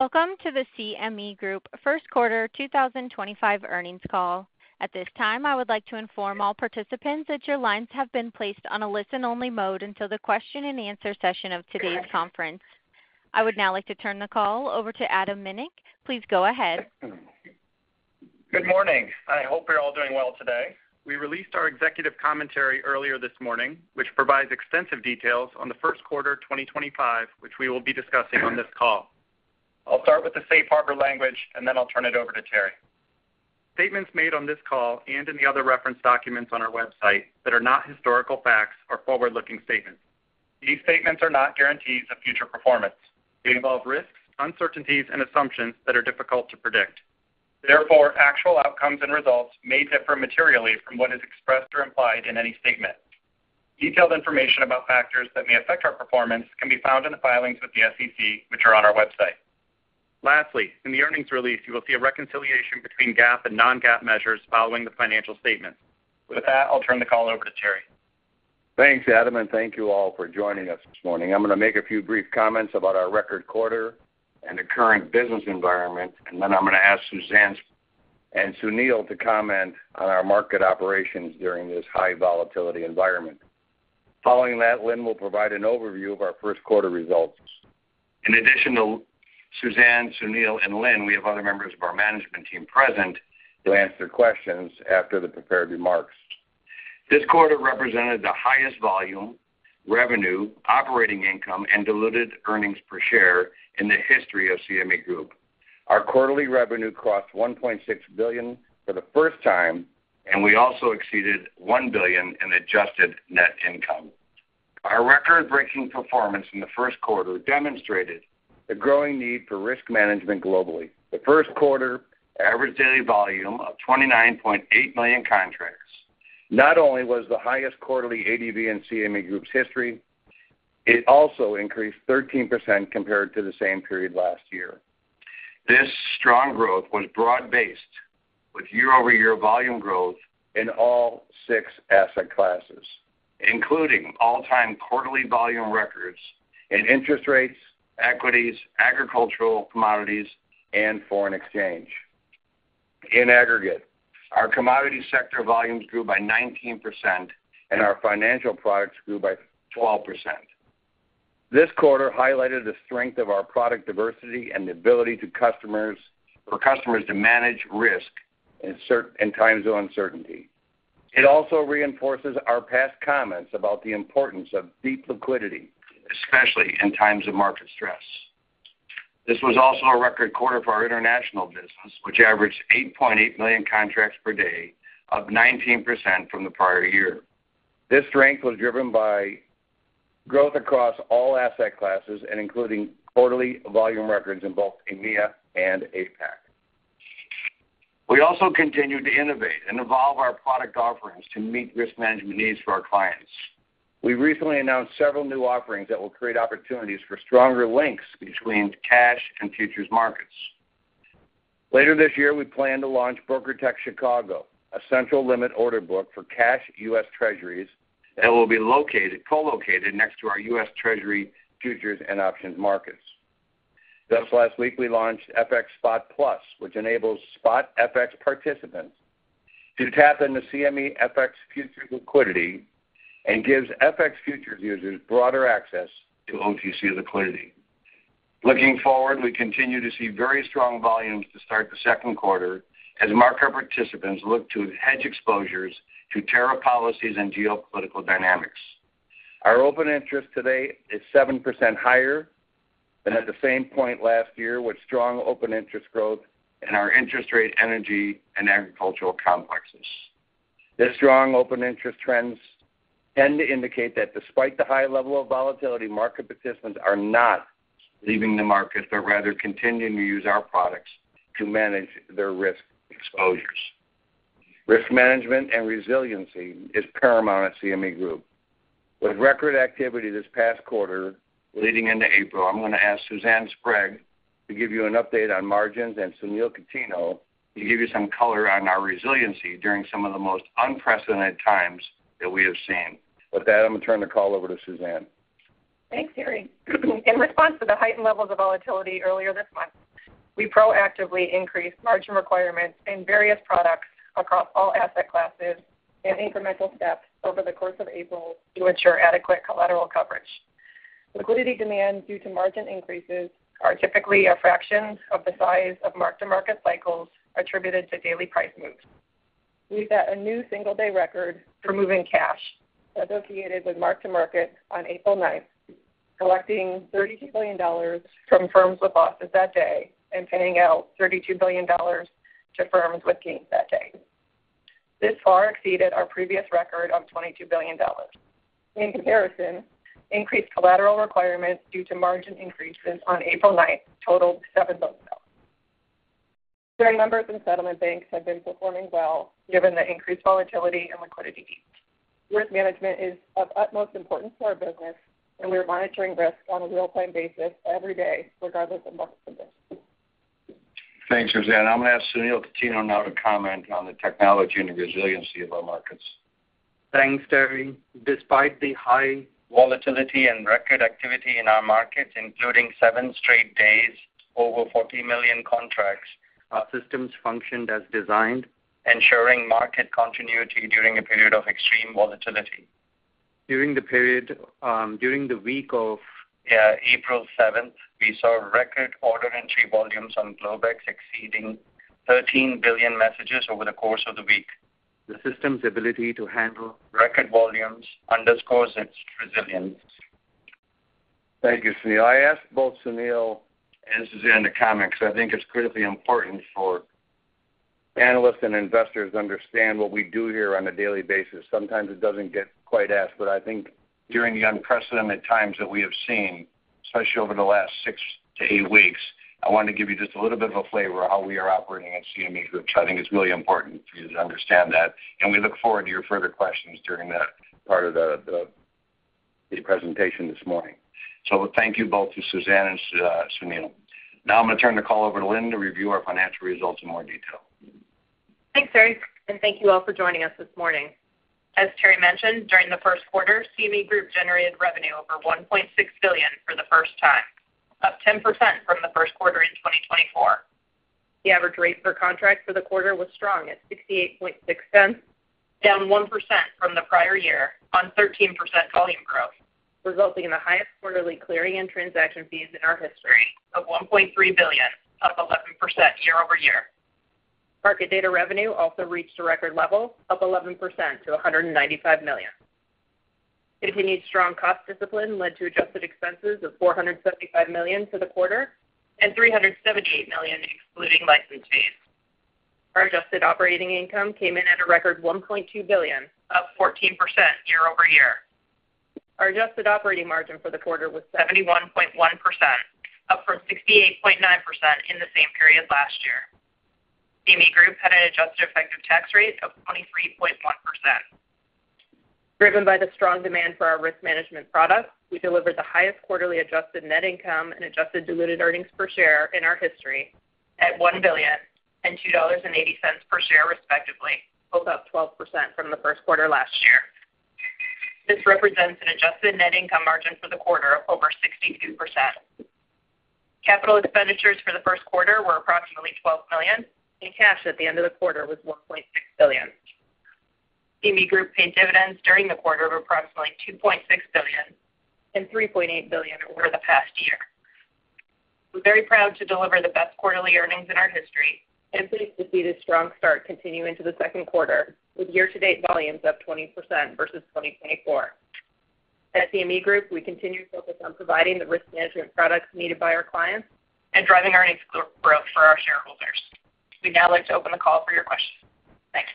Welcome to the CME Group first quarter 2025 earnings call. At this time I would like to inform all participants that your lines have been placed on a listen only mode until the question and answer session of today's conference. I would now like to turn the call over to Adam Minick. Please go. Ahead. Good morning. I hope you're all doing well today. We released our executive commentary earlier this morning which provides extensive details on the first quarter 2025 which we will be discussing on this call. I'll start with the safe harbor language and then I'll turn it over to Terry. Statements made on this call and in the other reference documents on our website that are not historical facts are forward looking statements. These statements are not guarantees of future performance. They involve risks, uncertainties and assumptions that are difficult to predict. Therefore, actual outcomes and results may differ materially from what is expressed or implied in any statement. Detailed information about factors that may affect our performance can be found in the filings with the SEC which are on our website. Lastly, in the earnings release you will see a reconciliation between GAAP and non-GAAP measures following the financial statement. With that, I'll turn the call over to Terry. Thanks Adam and thank you all for joining us this morning. I'm going to make a few brief comments about our record quarter and the current business environment and then I'm going to ask Suzanne and Sunil to comment on our market operations during this high volatility environment. Following that, Lyn will provide an overview of our first quarter results. In addition to Suzanne, Sunil and Lynne, we have other members of our management team present to answer questions after the prepared remarks. This quarter represented the highest volume, revenue, operating income and diluted earnings per share in the history of CME Group. Our quarterly revenue crossed $1.6 billion for the first time and we also exceeded $1 billion in adjusted net income. Our record breaking performance in the first quarter demonstrated the growing need for risk management globally. The first quarter average daily volume of 29.8 million contracts not only was the highest quarterly ADV in CME Group's history, it also increased 13% compared to the same period last year. This strong growth was broad based with year over year volume growth in all six asset classes including all time quarterly volume records in interest rates, equities, agricultural commodities and foreign exchange. In aggregate, our commodity sector volumes grew by 19% and our financial products grew by 12%. This quarter highlighted the strength of our product diversity and the ability for customers to manage risk in times of uncertainty. It also reinforces our past comments about the importance of deep liquidity, especially in times of market stress. This was also a record quarter for our international business which averaged 8.8 million contracts per day, up 19% from the prior year. This strength was driven by growth across all asset classes and including quarterly volume records in both EMEA and APAC. We also continue to innovate and evolve our product offerings to meet risk management needs for our clients. We recently announced several new offerings that will create opportunities for stronger links between cash and futures markets. Later this year we plan to launch BrokerTec Chicago, a central limit order book for cash U.S. Treasuries and will be co-located next to our U.S. Treasury futures and options markets. Thus, last week we launched FX Spot+, which enables spot FX participants to tap into CME FX futures liquidity and gives FX futures users broader access to OTC liquidity. Looking forward, we continue to see very strong volumes to start the second quarter as market participants look to hedge exposures to tariff policies and geopolitical dynamics. Our open interest today is 7% higher than at the same point last year with strong open interest growth in our interest rate, energy, and agricultural complexes. The strong open interest trends tend to indicate that despite the high level of volatility, market participants are not leaving the market but rather continuing to use our products to manage their risk exposures. Risk management and resiliency is paramount at CME Group with record activity this past quarter leading into April. I'm going to ask Suzanne Sprague to give you an update on margins and Sunil Cutinho to give you some color on our resiliency during some of the most unprecedented times that we have seen. With that, I'm going to turn the call over to. Thanks Terry. In response to the heightened levels of volatility earlier this month, we proactively increased margin requirements in various products across all asset classes in incremental steps over the course of April to ensure adequate collateral coverage. Liquidity demand due to margin increases is typically a fraction of the size of mark-to-market cycles attributed to daily price moves. We set a new single-day record for moving cash associated with mark-to-market on April 9, collecting $32 billion from firms with losses that day and paying out $32 billion to firms with gains that day. This far exceeded our previous record of $22 billion. In comparison, increased collateral requirements due to margin increases on April 9 totaled seven loan sales. Clearing members and settlement banks have been performing well given the increased volatility and liquidity needs. Risk management is of utmost importance to our business and we are monitoring risk on a real time basis every day, regardless of market. Conditions. Thanks, Rosanna. I'm going to ask Sunil Cutinho now to comment on the technology and resiliency of our markets. Thanks, Terry. Despite the high volatility and record activity in our markets, including seven straight days over 40 million contracts, our systems functioned as designed, ensuring market continuity during a period of extreme volatility. During the week of April 7th, we saw record order entry volumes on Globex exceeding 13 billion messages over the course of the week. The system's ability to handle record volumes underscores its resilience. Thank you, Sunil. I asked both Sunil and Suzanne because I think it's critically important for analysts and investors to understand what we do here on a daily basis. Sometimes it doesn't get quite asked, but I think during the unprecedented times that we have seen, especially over the last six to eight weeks, I wanted to give you just a little bit of a flavor of how we are operating at CME Group. I think it's really important for you to understand that and we look forward to your further questions during that part of the presentation this morning. Thank you both to Suzanne and Sunil. Now I'm going to turn the call over to Lynne to review our financial results in more. Detail. Thanks, Terry, and thank you all for joining us this morning. As Terry mentioned, during the first quarter CME Group generated revenue over $1.6 billion for the first time, up 10% from the first quarter in 2024. The average rate per contract for the quarter was strong at $0.686, down 1% from the prior year on 13% volume growth, resulting in the highest quarterly clearing and transaction fees in our history of $1.3 billion, up 11% year over year. Market data revenue also reached a record level, up 11% to $195 million. Continued strong cost discipline led to adjusted expenses of $475 million for the quarter and $378 million excluding license fees. Our adjusted operating income came in at a record $1.2 billion, up 14% year over year. Our adjusted operating margin for the quarter was 71.1%, up from 68.9% in the same period last year. CME Group had an adjusted effective tax rate of 23.1%, driven by the strong demand for our risk management products. We delivered the highest quarterly adjusted net income and adjusted diluted earnings per share in our history at $1 billion and $2.80 per share respectively, both up 12% from the first quarter last year. This represents an adjusted net income margin for the quarter of over 62%. Capital expenditures for the first quarter were approximately $12 million and cash at the end of the quarter was $1.6 billion. CME Group paid dividends during the quarter of approximately $2.6 billion and $3.8 billion over the past year. We're very proud to deliver the best quarterly earnings in our history and pleased to see this strong start continue into the second quarter with year to date volumes up 20% versus 2024. At CME Group, we continue to focus on providing the risk management products needed by our clients and driving earnings growth for our shareholders. We'd now like to open the call for your questions. Thanks.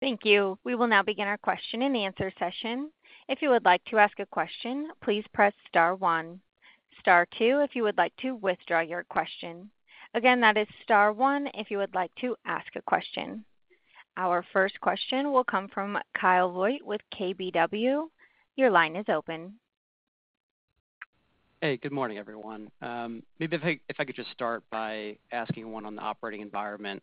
Thank you. We will now begin our question and answer session. If you would like to ask a question, please press Star one. Star two if you would like to withdraw your question. Again, that is Star one. If you would like to ask a question, our first question will come from Kyle Voigt with KBW. Your line is. Open. Hey, good morning everyone. Maybe if I could just start by asking one on the operating environment.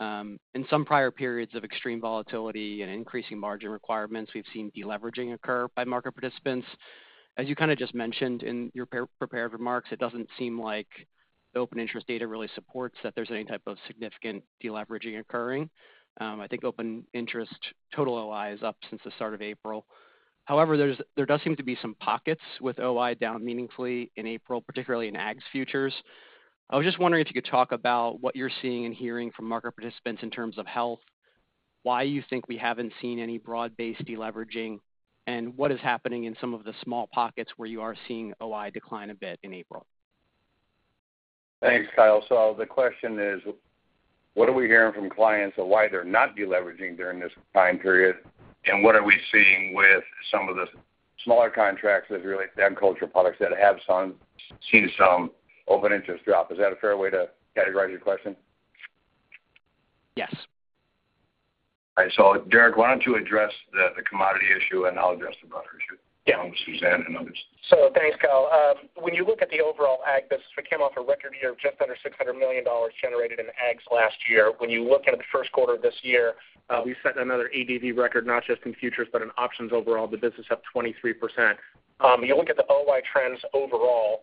In some prior periods of extreme volatility and increasing margin requirements, we've seen deleveraging occur by market participants. As you kind of just mentioned in your prepared remarks, it doesn't seem like the open interest data really supports that there's any type of significant deleveraging occurring. I think open interest total OI is up since the start of April. However, there does seem to be some pockets with OI down meaningfully in April, particularly in AGS futures. I was just wondering if you could talk about what you're seeing and hearing from market participants in terms of health, why you think we haven't seen any broad based deleveraging and what is happening in some of the small pockets where you are seeing OI decline a bit in April. Thanks Kyle. The question is what are we hearing from clients and why they're not deleveraging during this time period? What are we seeing with some of the smaller contracts and culture products that have seen some open interest drop? Is that a fair way to categorize your question? Yes. Derek, why don't you address the commodity issue and I'll address the broader issue. Thanks, Kyle. When you look at the overall AG business, we came off a record year of just under $600 million generated in AGS last year. When you look into the first quarter of this year, we set another ADV record not just in futures but in options. Overall, the business is up 23%. You look at the OI trends overall,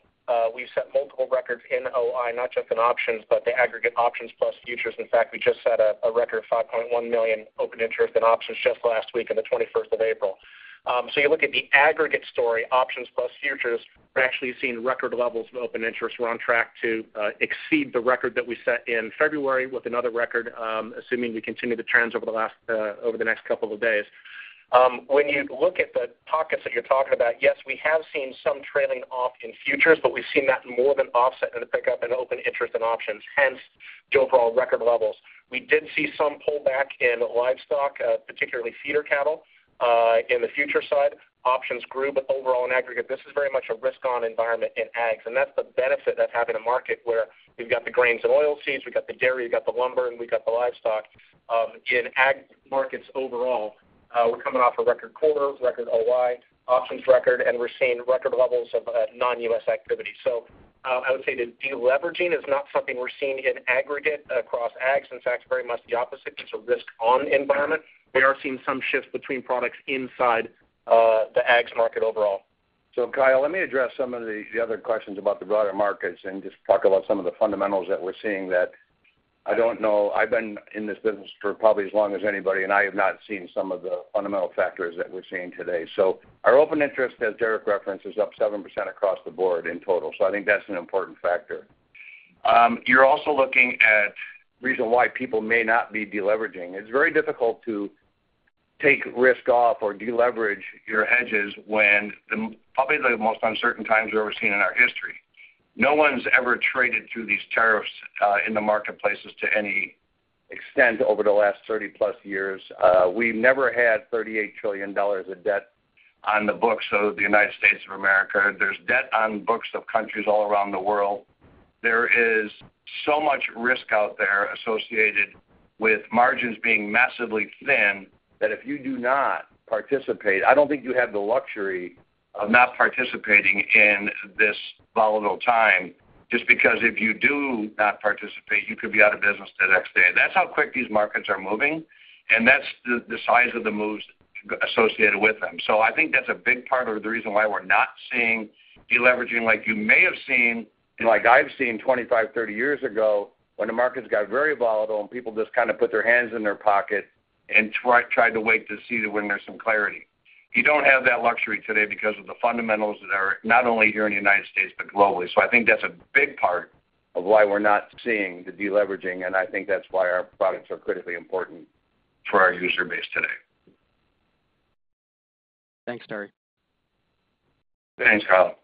we've set multiple records in OI, not just in options, but the aggregate options plus futures. In fact, we just set a record of 5.1 million open interest in options just last week on the 21st of April. You look at the aggregate story, options plus futures, we're actually seeing record levels of open interest. We're on track to exceed the record that we set in February with another record, assuming we continue the trends over the next couple of days. When you look at the pockets that you're talking about, yes, we have seen some trailing off in futures, but we've seen that more than offset in the pickup in open interest in options, hence the overall record levels. We did see some pullback in livestock, particularly feeder cattle, in the futures side. Options grew. Overall in aggregate, this is very much a risk on environment in AGS. That's the benefit of having a market where we've got the grains and oilseeds, we've got the dairy, we've got the lumber, and we've got the livestock. In AG markets, overall, we're coming off a record quarter, record OI, options record, and we're seeing record levels of non-U.S. activity. I would say that deleveraging is not something we're seeing in aggregate across AGS. In fact, very much the opposite, it's a risk-on environment. We are seeing some shift between products inside the AGS market overall. Kyle, let me address some of the other questions about the broader markets and just talk about some of the fundamentals that we're seeing that I don't know. I've been in this business for probably as long as anybody and I have not seen some of the fundamental factors that we're seeing today. Our open interest, as Derek referenced, is up 7% across the board in total. I think that's an important factor. You're also looking at reason why people may not be deleveraging. It's very difficult to take risk off or deleverage your hedges when probably the most uncertain times we've ever seen in our history, no one's ever traded through these tariffs in the marketplaces to any extent. Over the last 30 plus years, we never had $38 trillion of debt on the books of the United States of America. There's debt on books of countries all around the world. There is so much risk out there associated with margins being massively thin that if you do not participate, I don't think you have the luxury of not participating in this volatile time just because if you do not participate, you could be out of business the next day. That's how quick these markets are moving, and that's the size of the moves associated with them. I think that's a big part of the reason why we're not seeing deleveraging like you may have seen and like I've seen 25, 30 years ago when the markets got very volatile and people just kind of put their hands in their pocket and tried to wait to see when there's some clarity. You don't have that luxury today because of the fundamentals that are not only here in the United States, but globally. I think that's a big part of why we're not seeing the deleveraging, and I think that's why our products are critically important for our user base today. Thanks, Terry. Thanks. Kyle.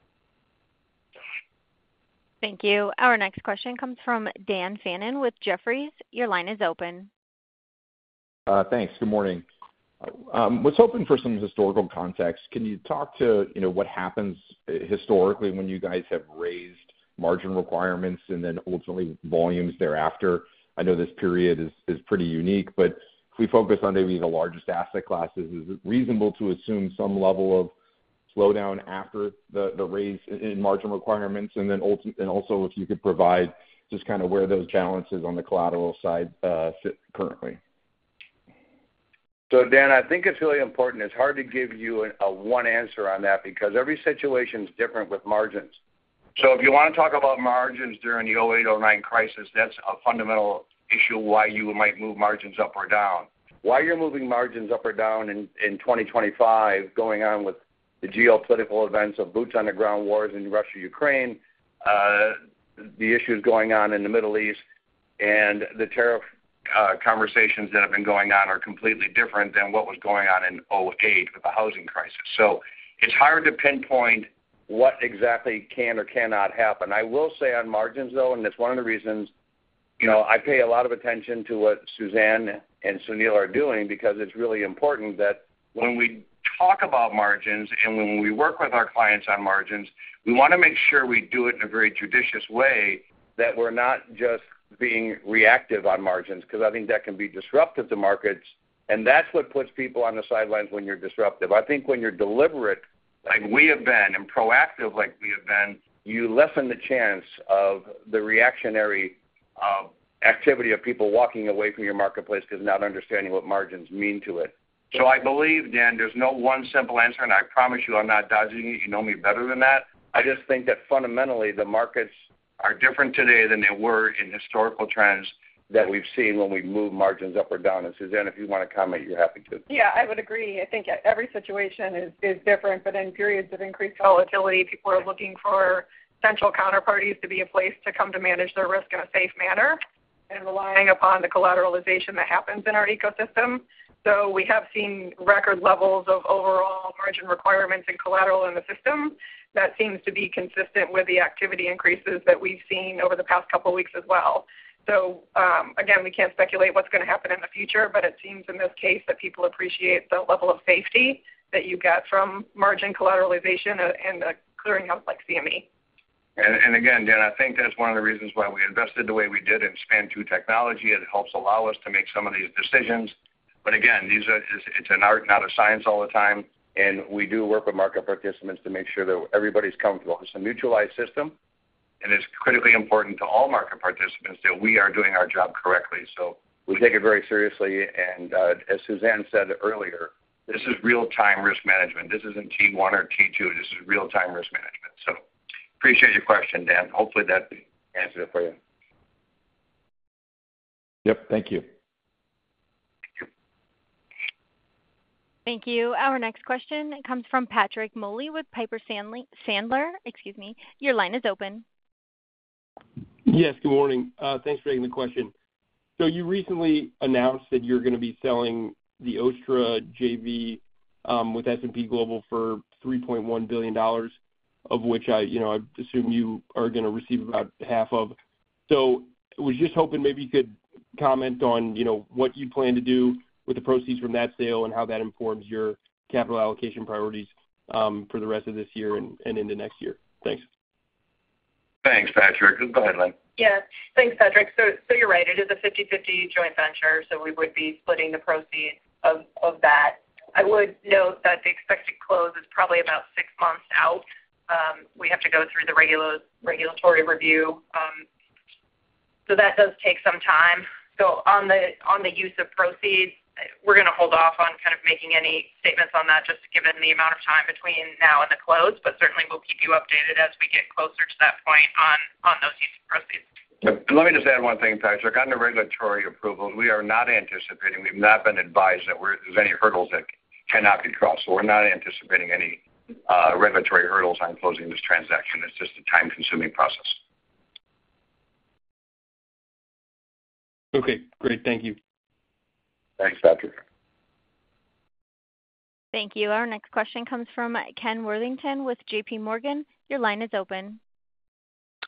Thank you. Our next question comes from Dan Fannon with Jefferies. Your line is. Open. Thanks. Good morning. Let's hoping for some historical context, can you talk to what happens historically when you guys have raised margin requirements and then ultimately volumes thereafter? I know this period is pretty unique, but if we focus on maybe the largest asset classes, is it reasonable to assume some level of slowdown after the raise in margin requirements? If you could provide just kind of where those challenges on the collateral side fit currently. Dan, I think it's really important. It's hard to give you a one answer on that because every situation is different with margins. If you want to talk about margins during the 2008, 2009 crisis, that's a fundamental issue. Why you might move margins up or down, why you're moving margins up or down in 2025, going on with the geopolitical events of boots on the ground, wars in Russia, Ukraine, the issues going on in the Middle East, and the tariff conversations that have been going on are completely different than what was going on in 2008 with the housing crisis. It is hard to pinpoint what exactly can or cannot happen. I will say on margins, though, and that's one of the reasons I pay a lot of attention to what Suzanne and Sunil are doing, because it's really important that when we talk about margins and when we work with our clients on margins, we want to make sure we do it in a very judicious way, that we're not just being reactive on margins, because I think that can be disruptive to markets, and that's what puts people on the sidelines when you're disruptive. I think when you're deliberate, like we have been and proactive like we have been, you lessen the chance of the reactionary activity of people walking away from your marketplace because not understanding what margins mean to it. I believe, Dan, there's no one simple answer. I promise you I'm not dodging it. You know me better than that. I just think that fundamentally the markets are different today than they were in historical trends that we've seen when we move margins up or down. Suzanne, if you want to comment, you're happy. Yeah, I would agree. I think every situation is different, but in periods of increased volatility, people are looking for central counterparties to be a place to come to manage their risk in a safe manner and relying upon the collateralization that happens in our ecosystem. We have seen record levels of overall margin requirements and collateral in the system that seems to be consistent with the activity increases that we've seen over the past couple weeks as well. Again, we can't speculate what's going to happen in the future, but it seems in this case that people appreciate the level of safety that you get from margin collateralization and the clearing out like. CME. Again, Dan, I think that's one of the reasons why we invested the way we did in SPAN 2 technology. It helps allow us to make some of these decisions. It is an art, not a science, all the time. We do work with market participants to make sure that everybody's comfortable. It's a mutualized system and it's critically important to all market participants that we are doing our job correctly. We take it very seriously. As Suzanne said earlier, this is real time risk management. This isn't T1 or T2. This is real time risk management. I appreciate your question, Dan. Hopefully that answered it for you. Yep. Thank you. Thank you. Our next question comes from Patrick Moley with Piper Sandler. Excuse me. Your line is. Open. Yes, good morning. Thanks for taking the question. You recently announced that you're going to be selling the OSTTRA JV with S&P Global for $3.1 billion, of which I assume you are going to receive about half of. I was just hoping maybe you could comment on what you plan to do with the proceeds from that sale and how that informs your capital allocation priorities for the rest of this year and into next year. Thanks. Thanks, Patrick. [Go ahead Lynne]. Yes, thanks, Patrick. You're right. It is a 50-50 joint venture, so we would be splitting the proceeds of that. I would note that the expected close is probably about six months out. We have to go through the regulatory review. That does take some time. On the use of proceeds, we're going to hold off on kind of making any statements on that just given the amount of time between now and the close. Certainly we'll keep you updated as we get closer to that point on those. Proceeds. Let me just add one thing, Patrick. On the regulatory approval, we are not anticipating, we have not been advised that there's any hurdles that cannot be crossed. We are not anticipating any regulatory hurdles on closing this transaction. It's just a time consuming process. Okay, great. Thank you. Thanks. Patrick. Thank you. Our next question comes from Ken Worthington with J.P. Morgan. Your line is. Open.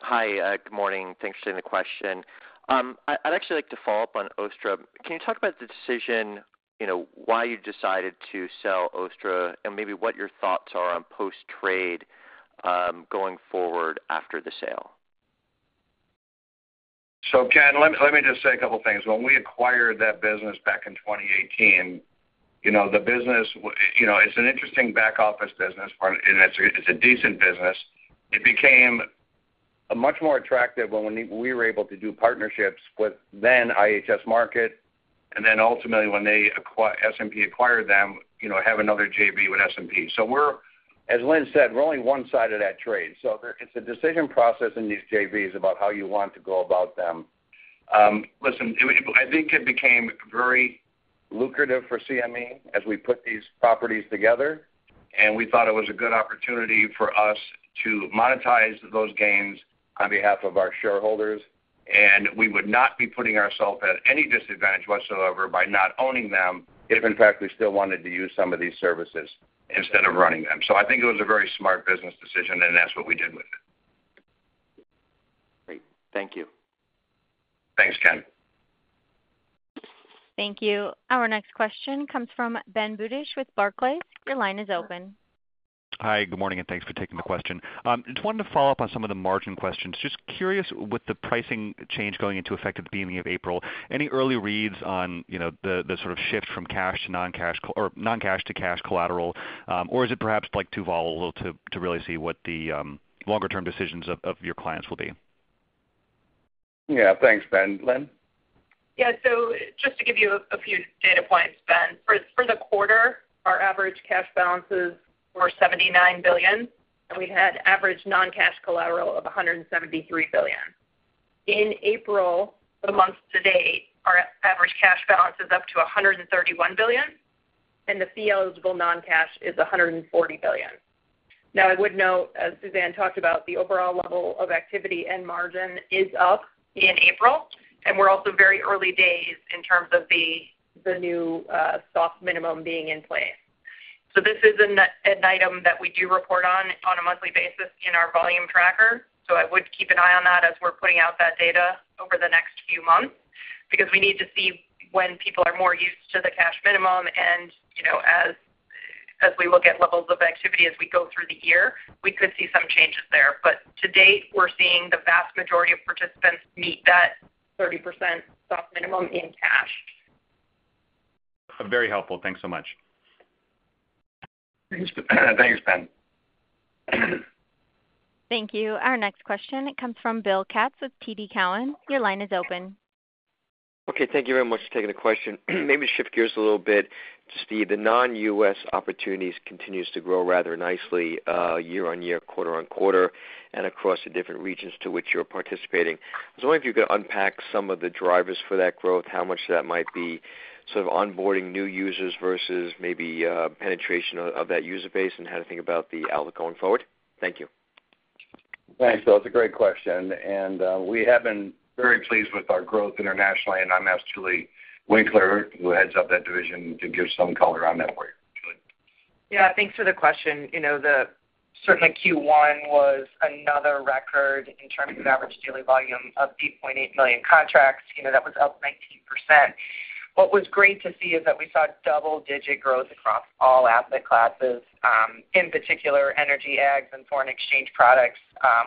Hi, good morning. Thanks for taking the question. I'd actually like to follow up on OSTTRA. Can you talk about the decision why you decided to sell OSTTRA and maybe what your thoughts are on post trade going forward after the sale? Ken, let me just say a couple things. When we acquired that business back in 2018, the business, it's an interesting back office business and it's a decent business. It became much more attractive when we were able to do partnerships with then IHS Markit and then ultimately when S&P acquired them, have another JV with S&P. As Lynne said, we're only one side of that trade. It's a decision process in these JVs about how you want to go about them. Listen, I think it became very lucrative for CME as we put these properties together and we thought it was a good opportunity for us to monetize those gains on behalf of our shareholders. We would not be putting ourselves at any disadvantage whatsoever by not owning them if in fact we still wanted to use some of these services instead of running them. I think it was a very smart business decision and that's what we did with it. Great, thank you. Thanks. Ken. Thank you. Our next question comes from Ben Budish with Barclays. Your line is. Hi, good morning and thanks for taking the question. I just wanted to follow up on some of the margin questions. Just curious, with the pricing change going into effect at the beginning of April, any early reads on the shift from cash to non-cash to cash collateral? Or is it perhaps too volatile to really see what the longer term decisions of your clients will be? Yeah. Thanks Ben. Lynne. Just to give you a few data points, Ben, for the quarter, our average cash balances were $79 billion and we had average non-cash collateral of $173 billion. In April, the month to date, our average cash balance is up to $131 billion and the fee-eligible non-cash is $140 billion. Now I would note as Suzanne talked about, the overall level of activity and margin is up in April and we are also very early days in terms of the new soft minimum being in place. This is an item that we do report on a monthly basis in our volume tracker. I would keep an eye on that as we are putting out that data over the next few months because we need to see when people are more used to the cash minimum. You know, as we look at levels of activity as we go through the year, we could see some changes there. To date we're seeing the vast majority of participants meet that 30% stock minimum in. Cash. Very helpful. Thanks so much. Thanks. Ben. Thank. You. Our next question comes from Bill Katz with TD Cowen. Your line is. Open. Okay, thank you very much for taking the question. Maybe shift gears a little bit, Steve. The non-U.S. opportunities continues to grow rather nicely year on year, quarter on quarter and across the different regions to which you're participating. I was wondering if you could unpack some of the drivers for that growth. How much that might be sort of onboarding new users versus maybe penetration of that user base and how to think about the outlook going forward? Thank you. Thanks, Bill. It's a great question and we have been very pleased with our growth internationally and I'm absolutely Winkler, who heads up that division, to give some color on that for. Yeah, thanks for the question. Certainly Q1 was another record in terms of average daily volume of 8.8 million contracts. That was up 19%. What was great to see is that we saw double digit growth across all asset classes. In particular, energy, AGS, and foreign exchange products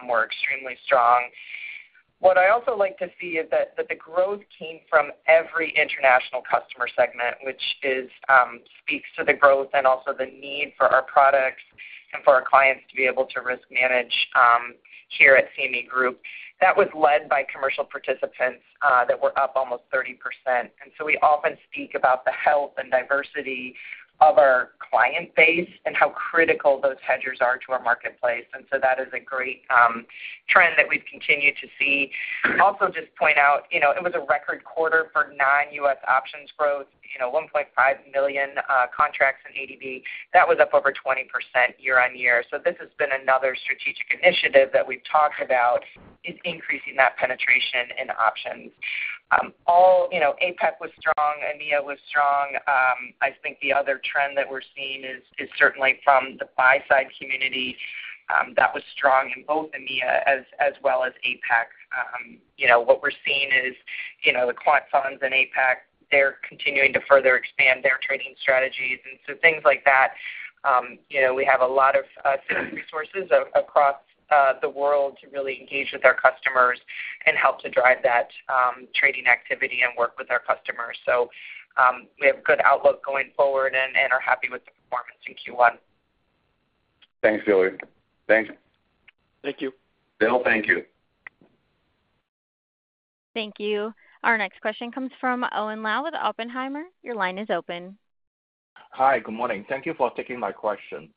were extremely strong. What I also like to see is that the growth came from every international customer segment, which speaks to the growth and also the need for our products and for our clients to be able to risk manage. Here at CME Group that was led by commercial participants that were up almost 30%. We often speak about the health and diversity of our client base and how critical those hedgers are to our marketplace. That is a great trend that we've continued to also just point out. It was a record quarter for non-U.S. options growth. 1.5 million contracts in ADV, that was up over 20% year on year. This has been another strategic initiative that we've talked about, increasing that penetration in options. APAC was strong, EMEA was strong. I think the other trend that we're seeing is certainly from the buy side community, that was strong in both EMEA as well as APAC. What we're seeing is the quant funds in APAC, they're continuing to further expand their trading strategies and so things like that. We have a lot of resources across the world to really engage with our customers and help to drive that trading activity and work with our customers. We have good outlook going forward and are happy with the performance in. Q1. Thanks, Julie. Thank you. Thank you, Bill. Thank you. Thank you. Our next question comes from Owen Lau with Oppenheimer. Your line is. Hi, good morning. Thank you for taking my question.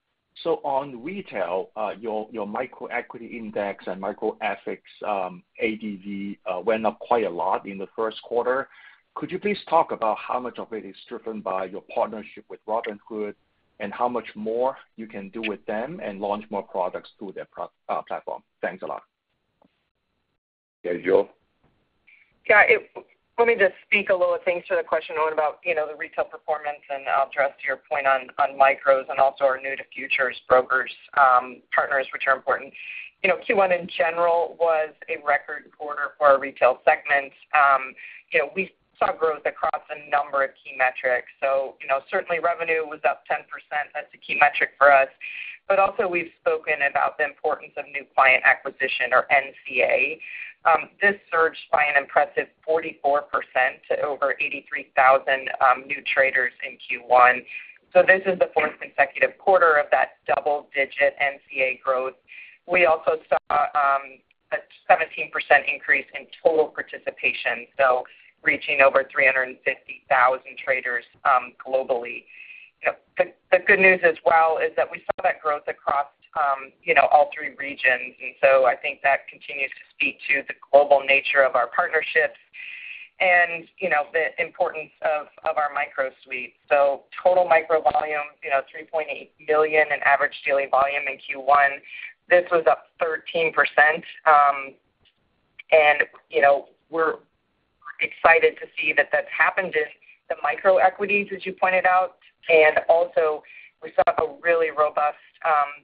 On retail, your micro equity index and micro eths ADV went up quite a lot in the first quarter. Could you please talk about how much of it is driven by your partnership with Robinhood and how much more you can do with them and launch more products through their platform. Thanks. Yeah, let me just speak a little, thanks for the question, Owen, about the retail performance and I'll address your point on micros and also our new to futures broker partners, which are important. Q1 in general was a record quarter for our retail segments. We saw growth across a number of key metrics. Certainly revenue was up 10%. That's key, a key metric for us. Also, we've spoken about the importance of new client acquisition or NCA. This surged by an impressive 44% to over 83,000 new traders in Q1. This is the fourth consecutive quarter of that double-digit NCA growth. We also saw a 17% increase in total participation, reaching over 350,000 traders globally. The good news as well is that we saw that growth across all three regions. I think that continues to speak to the global nature of our partnerships and the importance of our micro suite. Total micro volume was 3.8 million in average daily volume. In Q1 this was up 13% and we're excited to see that that's happened. The micro equities, as you pointed out, and also we saw a really robust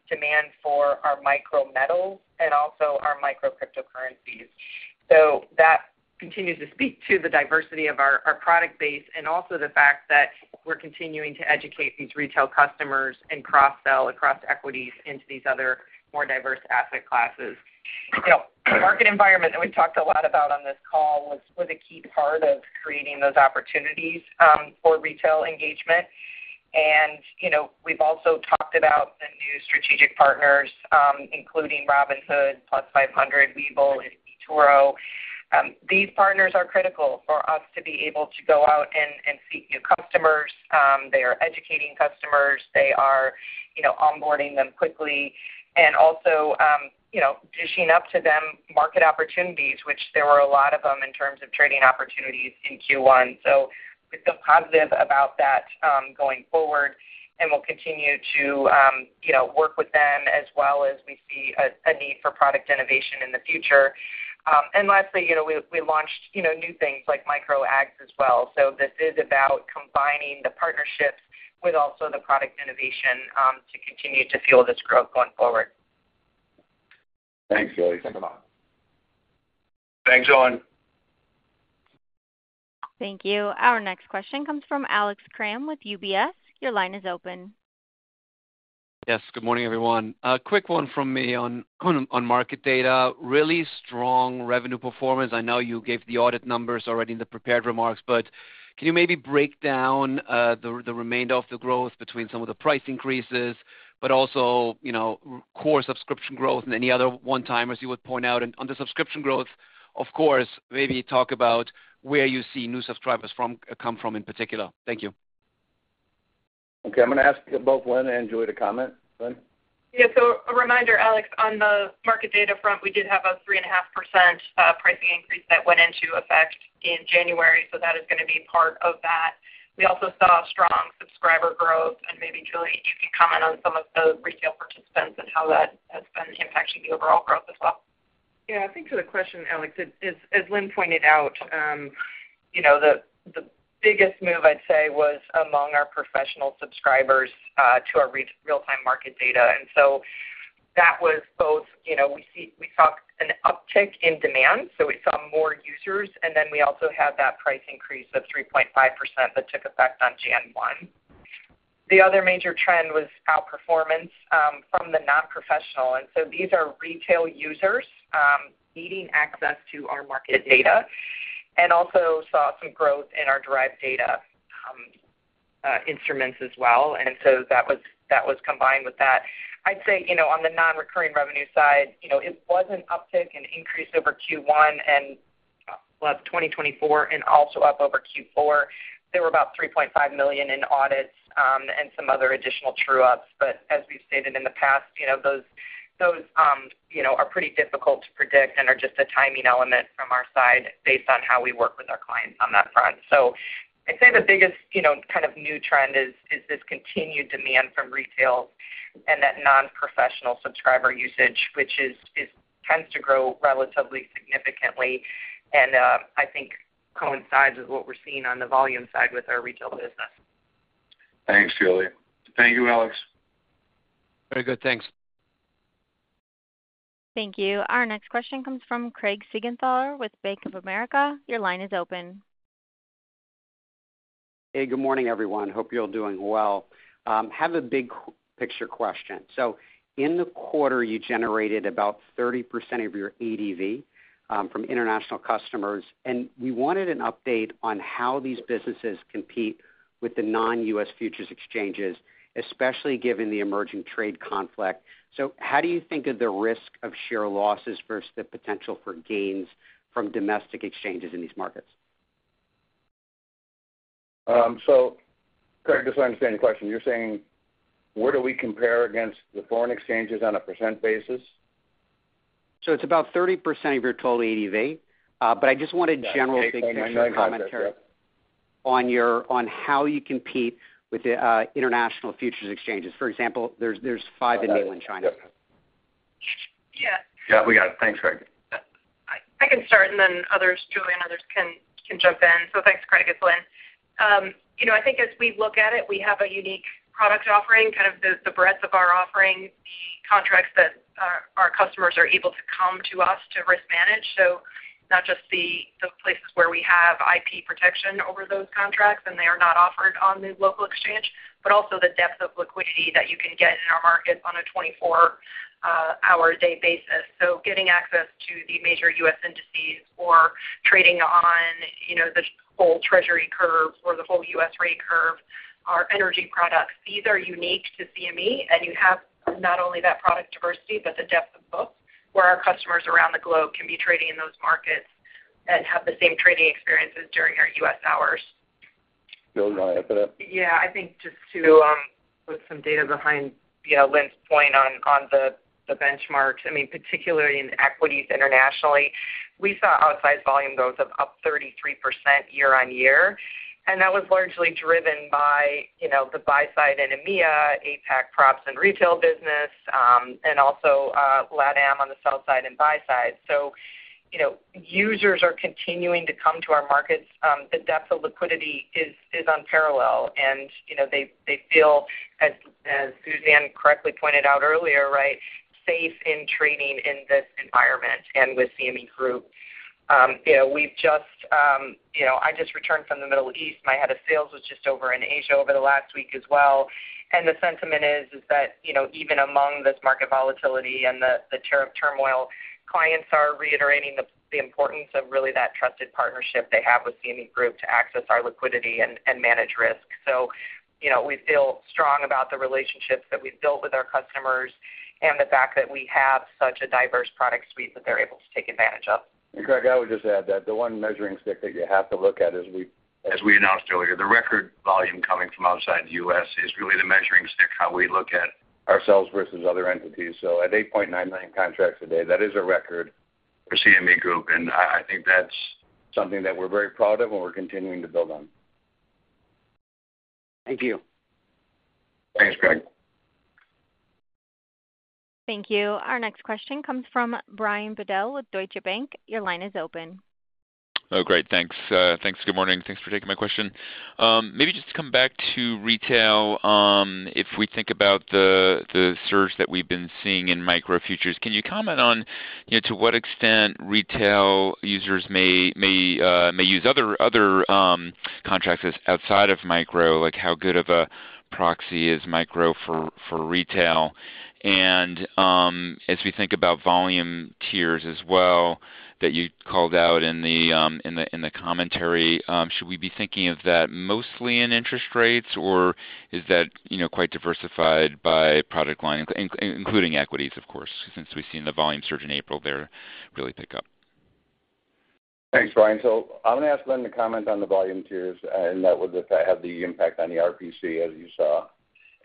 demand for our micro metals and also our micro cryptocurrencies. That continues to speak to the diversity of our product base and also the fact that we're continuing to educate these retail customers and cross sell across equities into these other more diverse asset classes. The market environment that we've talked a lot about on this call was a key part of creating those opportunities for retail engagement. We've also talked about the new strategic partners including Robinhood, Plus500, Webull, and eToro. These partners are critical for us to be able to go out and seek new customers. They are educating customers, they are onboarding them quickly and also dishing up to them market opportunities, which there were a lot of them in terms of trading opportunities in Q1. We feel positive about that going forward and we will continue to work with them as well as we see a need for product innovation in the future. Lastly, we launched new things like Micro AGS as well. This is about combining the partnerships with also the product innovation team to continue to fuel this growth going. Forward. Thanks, Kelly. Thank you. Thanks. Owen. Thank you. Our next question comes from Alex Cram with UBS. Your line is. Open. Yes. Good morning everyone. A quick one from me on market data. Really strong revenue performance. I know you gave the audit numbers already in the prepared remarks, but can you maybe break down the remainder of the growth between some of the price increases but also core subscription growth and any other one timers you would point out? On the subscription growth of course, maybe talk about where you see new subscribers come from in particular. Thank you. Okay, I'm going to ask both Lynne and Julie to. Comment. Yeah. A reminder, Alex, on the market data front we did have a 3.5% pricing increase that went into effect in January, so that is going to be part of that. We also saw strong subscriber growth and maybe Julie, you can comment on some of the retail participants and how that has been impacting the overall growth as well. Yeah, thanks for the question, Alex. As Lynne pointed out, the biggest move I'd say was among our professional subscribers to our real time market data. That was both we saw an uptick in demand so we saw more users and then we also had that price increase of 3.5% that took effect on January 1. The other major trend was outperformance from the non professional. These are retail users meeting access to our market data and also saw some growth in our derived data instruments as well. That was combined with that, I'd say on the non-recurring revenue side it was an uptick in increase over Q1 in 2024 and also up over Q4. There were about $3.5 million in audits and some other additional true ups. As we've stated in the past, those are pretty difficult to predict and are just a timing element from our side based on how we work with our clients on that front. I'd say the biggest kind of new trend is this continued demand from retail and that non-professional subscriber usage which tends to grow relatively significantly and I think coincides with what we're seeing on the volume side with our retail. Business. Thanks, Julie. Thank you, Alex. Very good. Thanks. Thank you. Our next question comes from Craig Siegenthaler with Bank of America. Your line is. Open. Hey, good morning. Everyone. Hope you're all doing well. Have a big picture question. In the quarter you generated about 30% of your ADV from international customers. We wanted an update on how these businesses compete with the non-U.S. futures exchanges, especially given the emerging trade conflict. How do you think of the risk of share losses versus the potential for gains from domestic exchanges in these markets? Craig, just to understand your question, you're saying where do we compare against the foreign exchanges on a percent basis? It's about 30% of your total ADV. I just want a general big commentary on how you compete with the international futures exchanges. For example, there's five in mainland China. Yeah, we got it. Thanks. Craig. I can start and then others, Julie and others can jump in. Thanks Craig. It's Lynne. I think as we look at it, we have a unique product offering, kind of the breadth of our offering, the contracts that our customers are able to come to us to risk manage. Not just the places where we have IP protection over those contracts and they are not offered on the local exchange, but also the depth of liquidity that you can get in our market on a 24 hour a day basis. Getting access to the major U.S. indices or trading on the whole Treasury curve or the whole U.S. rate curve or energy products. These are unique to CME and you have not only that product diversity but the depth of books where our customers around the globe can be trading in those markets and have the same trading experiences during our U.S. Hours. Julie, you want to add. Yeah, I think just to put some data behind Lynne's point on the benchmarks, I mean particularly in equities internationally, we saw outside volume growth of up 33% year on year and that was largely driven by the buy side in EMEA, APAC, props and retail business and also LATAM on the sell side and buy side. Users are continuing to come to our markets. The depth of liquidity is unparalleled and they feel, as Suzanne correctly pointed out earlier, safe in trading in this environment. With CME Group, I just returned from the Middle East, my head of sales was just over in Asia over the last week as well. The sentiment is that even among this market volatility and the tariff turmoil, clients are reiterating the importance of really that trusted partnership they have with CME Group to access our liquidity and manage risk. We feel strong about the relationships that we've built with our customers and the fact that we have such a diverse product suite that they're able to take advantage. Craig, I would just add that the one measuring stick that you have to look at, as we announced earlier, the record volume coming from outside the U.S. is really the measuring stick, how we look at ourselves versus other entities. At 8.9 million contracts a day, that is a record for CME Group. I think that's something that we're very proud of and we're continuing to build on. Thank you. Thanks. Craig. Thank you. Our next question comes from Brian Bedell with Deutsche Bank. Your line is. Open. Oh, great. Thanks. Good morning. Thanks for taking my question. Maybe just to come back to retail, if we think about the surge that we've been through seeing in micro futures, can you comment on to what extent retail users may use other contracts outside of micro? Like how good of a proxy is micro for retail? And as we think about volume tiers as well, that you called out in the commentary, should we be thinking of that mostly in interest rates or is that quite diversified by product line, including equities? Of course, since we've seen the volume surge in April there really pick. Thanks, Brian. I'm going to ask Lynne to comment on the volume tiers and that would have the impact on the RPC as you saw,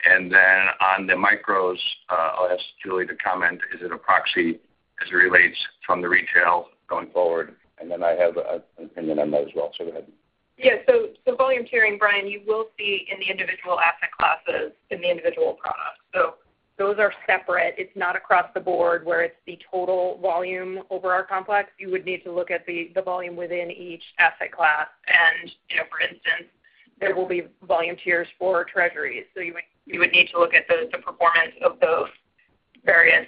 and then on the micros, I'll ask Julie to comment. Is it a proxy as it relates from the retail going forward? I have an opinion on that as well. Go. Ahead. Yes. Volume tiering, Brian, you will see in the individual asset classes, in the individual products, so those are separate. It is not across the board where it is the total volume over our complex. You would need to look at the volume within each asset class and for instance, there will be volume tiers for Treasury. You would need to look at the performance of those various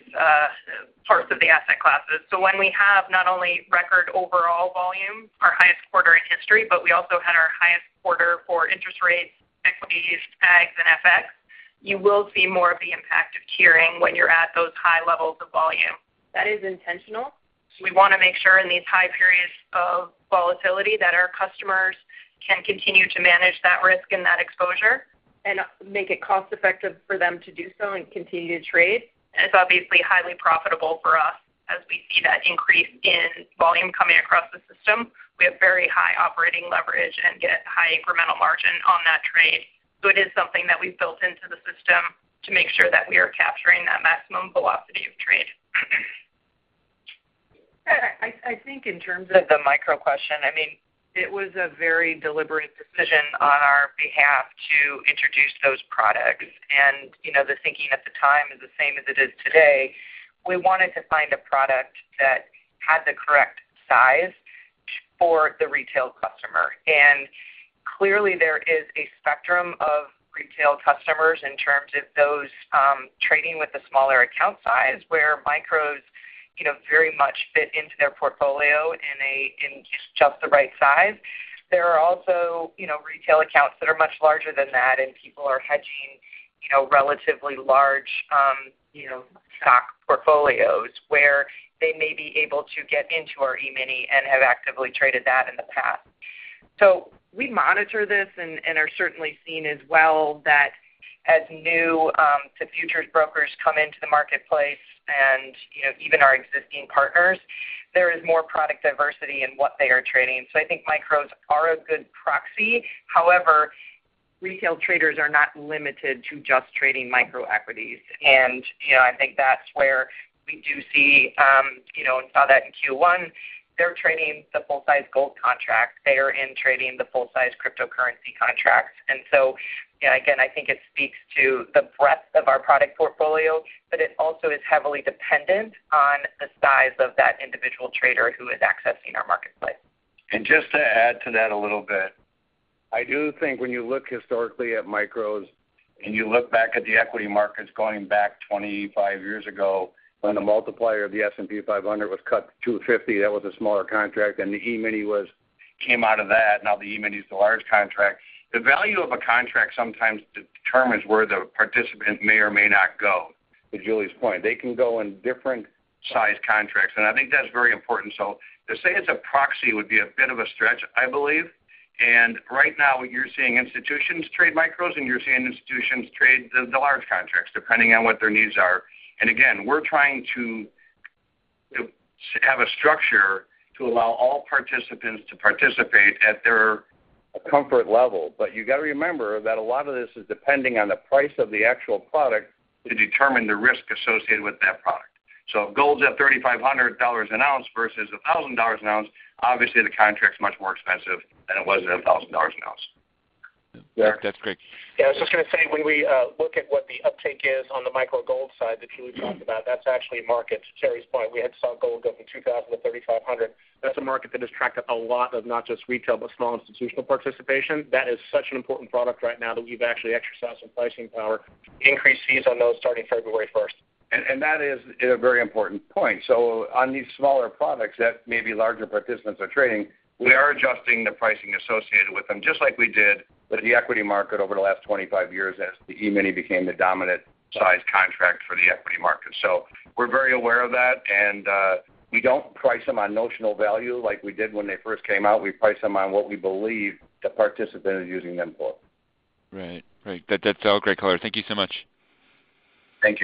parts of the asset classes. When we have not only record overall volume, our highest quarter in history, but we also had our highest quarter for interest rates, equities, AGS, and FX, you will see more of the impact of tiering when you are at those high levels of volume. That is intentional. We want to make sure in these high periods of volatility that our customers can continue to manage that risk. That exposure and make it cost effective for them to do so and continue to trade. It is obviously highly profitable for us. As we see that increase in volume coming across the system, we have very high operating leverage and get high incremental margin on that trade. It is something that we built into the system to make sure that we are capturing that maximum velocity of trade. I think in terms of the micro question, I mean it was a very deliberate decision on our behalf to introduce those products. The thinking at the time is the same as it is today. We wanted to find a product that had the correct size for the retail customer. There is a spectrum of retail customers in terms of those trading with a smaller account size where micros very much fit into their portfolio in just the right size. There are also retail accounts that are much larger than that. People are hedging relatively large stock portfolios where they may be able to get into our E-Mini and have actively traded that in the past. We monitor this and are certainly seeing as well that as new-to-futures brokers come into the marketplace and even our existing partners, there is more product diversity in what they are trading. I think micros are a good product proxy. However, retail traders are not limited to just trading micro equities. I think that is where we do see and saw that in Q1 they are trading the full size gold contract, they are trading the full size cryptocurrency contracts. I think it speaks to the breadth of our product portfolio. It also is heavily dependent on the size of that individual trader who is accessing our. Marketplace. Just to add to that a little bit, I do think when you look historically at micros and you look back at the equity markets going back 25 years ago when the multiplier of the S&P 500 was cut to 250, that was a smaller contract and the E-Mini came out of that. Now the E-Mini is the large contract. The value of a contract sometimes determines where the participant may or may not go. To Julie's point, they can go in different size contracts and I think that's very important. To say it's a proxy would be a bit of a stretch, I believe. Right now you're seeing institutions trade micros and you're seeing institutions trade the large contracts depending on what their needs are. Again, we're trying to have a structure to allow all participants to participate at their comfort level. You have to remember that a lot of this is depending on the price of the actual product to determine the risk associated with that product. If gold is at $3,500 an ounce versus $1,000 an ounce, obviously the contract is much more expensive than it was at $1,000 an ounce. That's. Great. Yeah. I was just going to say, when we look at what the uptake is on the micro gold side that Julie talked about, that's actually a market. To Terry's point, we had seen gold go from $2,000 to $3,500. That's a market that has tracked a lot of not just retail, but small institutional participation. That is such an important product right now that we've actually exercised on pricing power. Increased fees on those starting February 1. That is a very important point. On these smaller products that maybe larger participants are trading, we are adjusting the pricing associated with them just like we did with the equity market over the last 25 years as the E-Mini became the dominant size contract for the equity market. We are very aware of that. We do not price them on notional value like we did when they first came out. We price them on what we believe the participant is using them for. Right. That is. All right. Great color. Thank you. Much. Thank.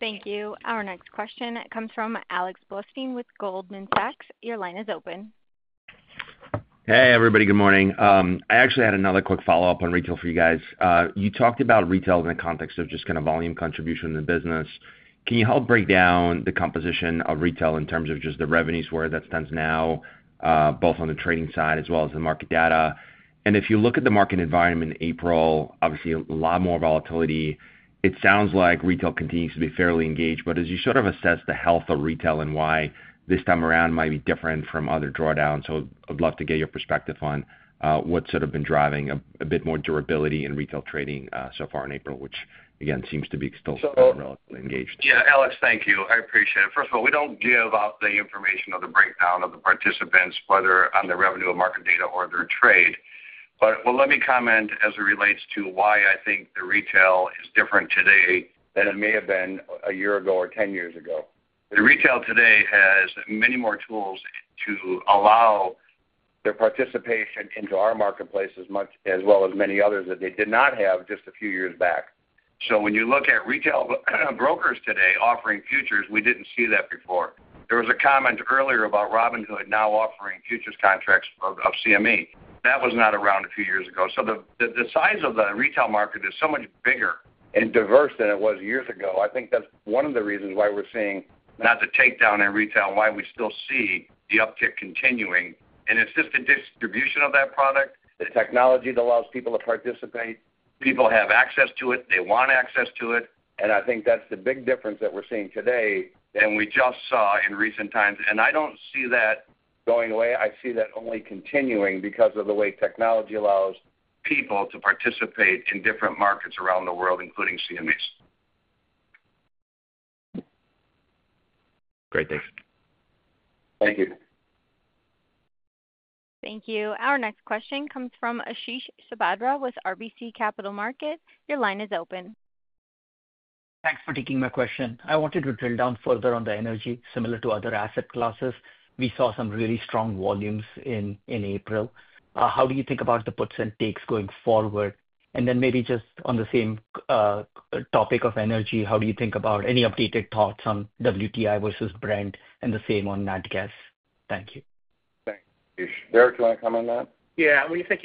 Thank you. Our next question comes from Alex Blostein with Goldman Sachs. Your line is. Open. Hey everybody. Good morning. I actually had another quick follow up on retail for you guys. You talked about retail in the context of just volume contribution in the business. Can you help break down the composition of retail in terms of just the revenues, where that stands now, both on the trading side as well as the market data? If you look at the market environment in April, obviously a lot more volatility. It sounds like retail continues to be fairly engaged. As you sort of assess the health of retail and why this time around might be different from other drawdowns, I'd love to get your perspective on what's sort of been driving a bit more durability in retail trading so far in April, which again seems to be still engaged. Yeah, Alex, thank you. I appreciate it. First of all, we don't give out the information or the breakdown of the participants, whether on the revenue and market data or their trade. Let me comment as it relates to why I think the retail is different today than it may have been a year ago or 10 years ago. The retail today has many more tools to allow their participation into our marketplace as well as many others that they did not have just a few years back. When you look at retail brokers today offering futures, we didn't see that before. There was a comment earlier about Robinhood now offering futures contracts of CME that was not around a few years ago. The size of the retail market is so much bigger and diverse than it was years ago. I think that's one of the reasons why we're seeing not the takedown in retail, why we still see the uptick continuing. It's just the distribution of that product, the technology that allows people to participate. People have access to it, they want access to it. I think that's the big difference that we're seeing today and we just saw in recent times. I don't see that going away. I see that only continuing because of the way technology allows people to participate in different markets around the world, including CME's. Great, thanks. Thank you. Thank you. Our next question comes from Ashish Sabadra with RBC Capital Markets. Your line is. Open. Thanks for taking my question. I wanted to drill down further on the energy. Similar to other asset classes, we saw some really strong volumes in April. How do you think about the puts and takes going forward? Maybe just on the same topic of energy, how do you think about any updated thoughts on WTI vs Brent and the same on NATGAS? Thank you. Derek, do you want to comment on that? Yeah. When you think,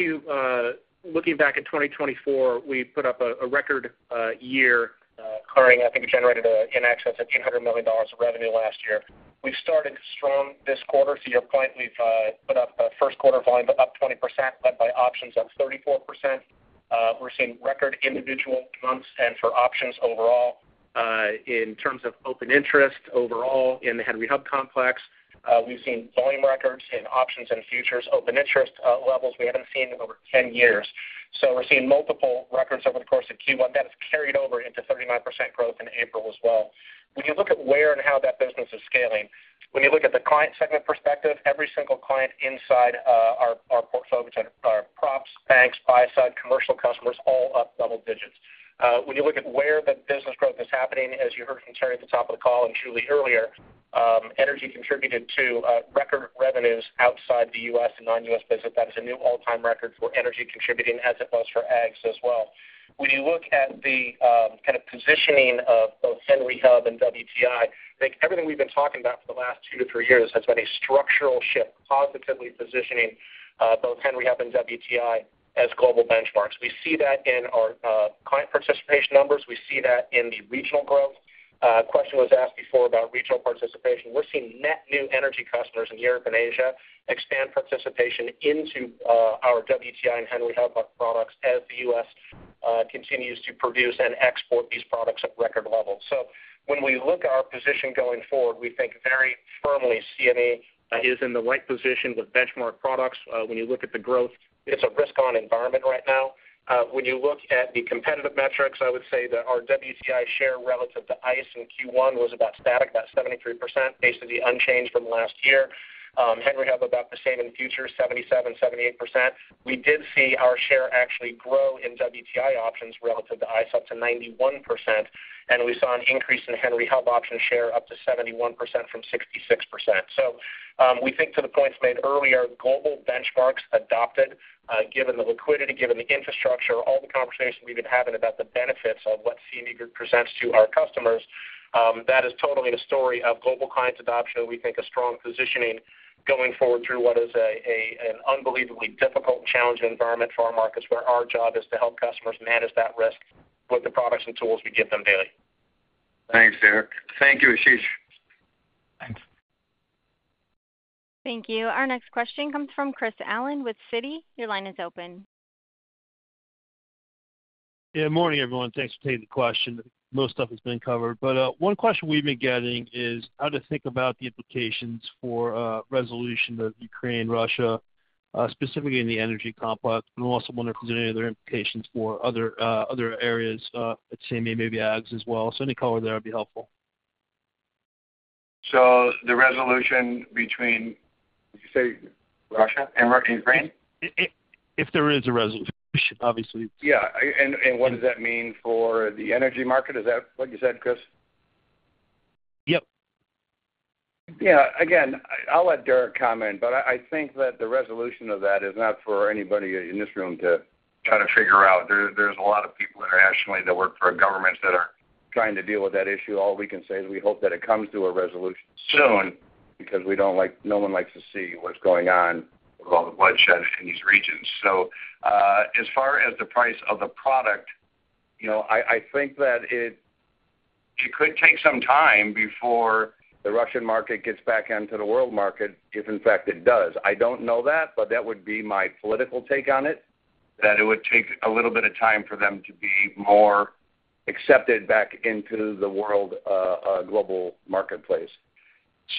looking back at 2024, we put up a record year clearing. I think we generated in excess of $800 million of revenue last year. We started strong this quarter. To your point, we have put up first quarter volume up 20% led by options up 34%. We're seeing record individual months and for options overall, in terms of open interest overall in the Henry Hub complex, we've seen volume records in options and futures. Open interest levels we haven't seen in over 10 years. We're seeing multiple records over the course of Q1. That has carried over into 39% growth in April as well. When you look at where and how that business is scaling, when you look at the client segment perspective, every single client inside our portfolio, props, banks, buy side, commercial customers, all up double digits. When you look at where the business growth is happening, as you heard from Terry at the top of the call and Julie earlier, energy contributed to record revenues outside the U.S. and non-U.S. business. That's a new all-time record for energy contributing as it was for AGS as well. When you look at the kind of positioning of both Henry Hub and WTI, everything we've been talking about for the last two to three years has been a structural shift positively positioning both Henry Hub and WTI as global benchmarks. We see that in our client participation numbers. We see that in the regional growth. A question was asked before about regional participation. We're seeing net new energy customers in Europe and Asia expand participation into our WTI and Henry Hub products as the U.S. continues to produce and export these products at record levels. When we look at our position going forward, we think very firmly CME is in the right position with benchmark products. When you look at the growth, it's a risk on environment right now. When you look at the competitive metrics, I would say that our WTI share relative to ICE in Q1 was about static, about 73%, basically unchanged from last year. Henry Hub about the same in the future, 77-78%. We did see our share actually grow in WTI options relative to ICE up to 91%. We saw an increase in Henry Hub options share up to 71% from 66%. We think to the points made earlier global benchmarks adopted, given the liquidity, given the infrastructure, all the conversations we have been having about the benefits of what CME Group presents to our customers. That is totally a story of global client adoption. We think a strong positioning going forward through what is an unbelievably difficult, challenging environment for our markets where our job is to help customers manage that risk with the products and tools we give them daily. Thanks, Derek. Thank you, Ashish. Thanks. Thank you. Our next question comes from Chris Allen with Citi. Your line is. Morning, everyone. Thanks for taking the question. Most stuff has been covered, but one question we've been getting is how to think about the implications for resolution of Ukraine, Russia, specifically in the energy complex. I also wonder if there's any other implications for other areas at CME, maybe AGS as well. Any color there would be helpful. The resolution between Russia and Ukraine, if there is a resolution, obviously, yeah. What does that mean for the energy market? Is that what you said, Chris? Yep. Yeah. Again, I'll let Derek comment, but I think that the resolution of that is not for anybody in this room to try to figure out. There are a lot of people internationally that work for governments that are trying to deal with that issue. All we can say is we hope that it comes to a resolution soon because we do not like. No one likes to see what is going on with all the bloodshed in these regions. As far as the price of the product, I think that it could take some time before the Russian market gets back into the world market, if in fact it does. I do not know that, but that would be my political take on it, that it would take a little bit of time for them to be more accepted back into the world global marketplace.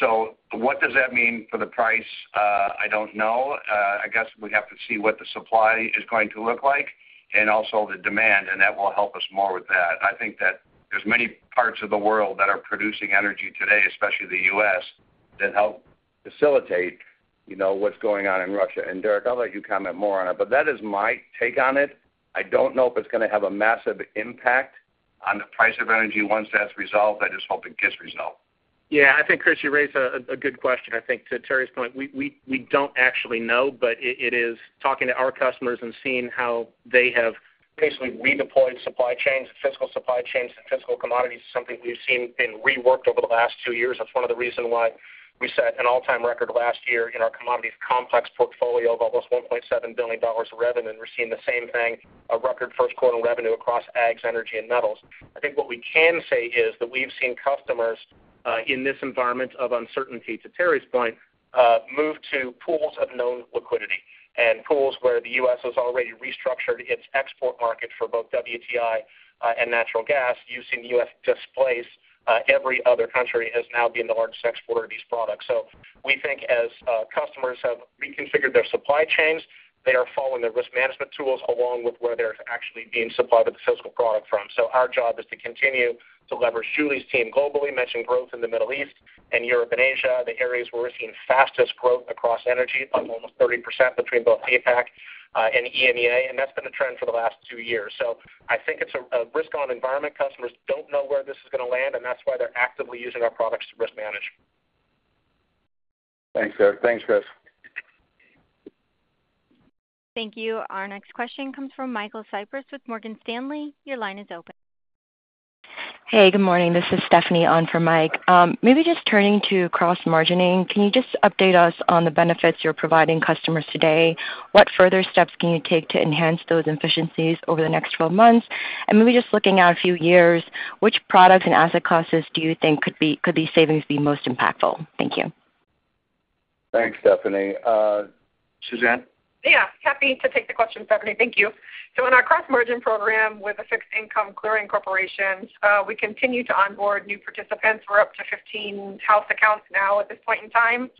What does that mean for the price? I don't know. I guess we have to see what the supply is going to look like and also the demand and that will help us more with that. I think that there are many parts of the world that are producing energy today, especially the U.S. that help facilitate what's going on in Russia. Derek, I'll let you comment more on it, but that is my take on it. I don't know if it's going to have a massive impact on the price of energy once that's resolved. I just hope it gets resolved. Yes, I think Chris, you raised a good question. I think to Terry's point, we do not actually know, but it is talking to our customers and seeing how they have basically redeployed supply chains and physical supply chains and physical commodities is something we have seen being reworked over the last two years. That is one of the reasons why we set an all-time record last year in our commodities complex portfolio of almost $1.7 billion of revenue. We are seeing the same thing, a record first quarter revenue across AGS, energy and metals. I think what we can say is that we have seen customers in this environment of uncertainty, to Terry's point, move to pools of known liquidity and pools where the U.S. has already restructured its export market for both WTI and natural gas using the U.S. displace every other country as now being the largest exporter of these products. We think as customers have reconfigured their supply chains, they are following the risk management tools along with where they're actually being supplied with the physical product from. Our job is to continue to leverage. Julie's team globally mentioned growth in the Middle East and Europe and Asia. The areas where we're seeing fastest growth across energy up almost 30% between both APAC and EMEA. That's been a trend for the last two years. I think it's a risk on environment. Customers don't know where this is going to land and that's why they're actively using our products to risk managers. Thanks Derek. Thanks. Chris. Thank you. Our next question comes from Michael Cyprys with Morgan Stanley. Your line is open. Hey, good morning, this is Stephanie on for Mike. Maybe just turning to cross margining, can you just update us on the benefits you're providing customers today? What further steps can you take. To enhance those efficiencies over the next twelve. Months? Maybe just looking at a few years, which products and asset classes do you think could these savings be most impactful? Thank you. You. Thanks, Stephanie. Yeah, happy to take the question Stephanie. Thank you. In our cross margin program with the Fixed Income Clearing Corporation we continue to onboard new participants. We're up to 15 house accounts now at this point in time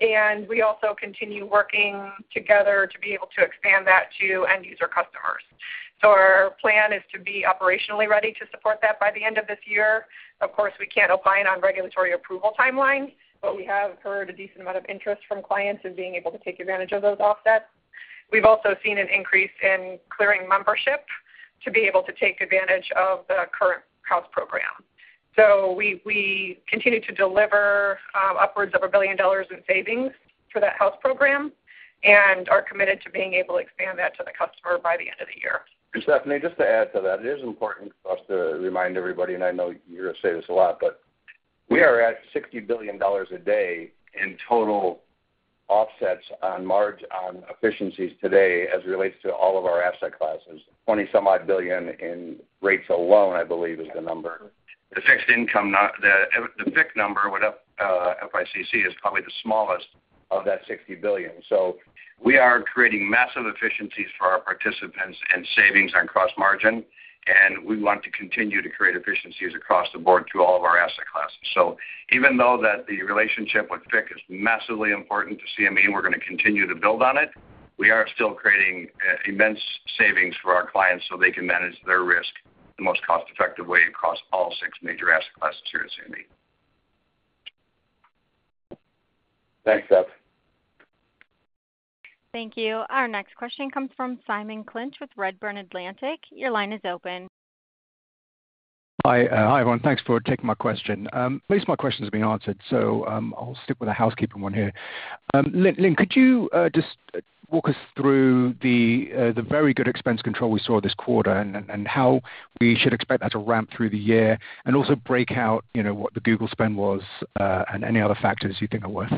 and we also continue working together to be able to expand that to end user customers. Our plan is to be operationally ready to support that by the end of this year. Of course we can't opine on regulatory approval timeline, but we have heard a decent amount of interest from clients in being able to take advantage of those offsets. We've also seen an increase in clearing membership to be able to take advantage of the current house program. We continue to deliver upwards of $1 billion in savings for that house program and are committed to being able to expand that to the customer by the end of the year. Year. Stephanie, just to add to that, it is important for us to remind everybody, and I know you say this a lot, but we are at $60 billion a day in total offsets on efficiencies today as it relates to all of our asset classes. Twenty some odd billion in rates alone I believe is the number the fixed income, the FICC number would up. FICC is probably the smallest of that $60 billion. We are creating massive efficiencies for our participants and savings on cross margin and we want to continue to create efficiencies across the board to all of our asset classes. Even though the relationship with FICC is massively important to CME and we're going to continue to build on it, we are still creating immense savings for our clients so they can manage their risk the most cost effective way across all six major asset classes here at CME. Thanks. Steph. Thank you. Our next question comes from Simon Clinch with Redburn Atlantic. Your line is. Hi everyone. Thanks for taking my question. At least my questions have been answered so I'll stick with the housekeeping one here. Lyn, could you just walk us through the very good expense control we saw this quarter and how we should expect that to ramp through the year and also break out what the Google spend was and any other factors you think are worth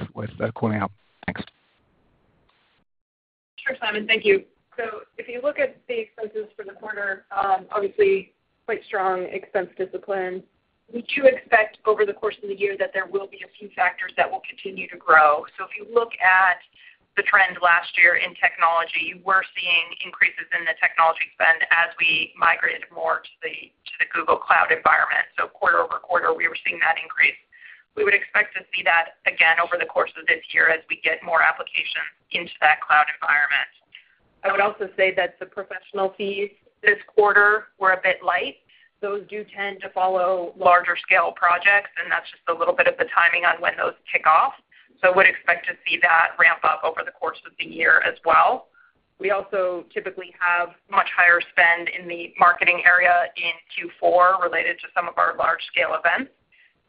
calling out. Next. Sure. Simon. Thank. If you look at the expenses for the quarter, obviously quite strong expense discipline. We do expect over the course of the year that there will be a few factors that will continue to grow. If you look at the trend last year in technology, you were seeing increases in the technology spend as we migrated more to the Google cloud environment. Quarter over quarter we were seeing that increase. We would expect to see that again over the course of this year as we get more applications into that cloud environment. I would also say that the professional fees this quarter were a bit light. Those do tend to follow larger scale projects and that's just a little bit of the timing on when those kick off. Would expect to see that ramp up over the course of the year as well. We also typically have much higher spend in the marketing area in Q4 related to some of our large scale events.